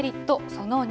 その２。